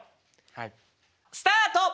はい。スタート！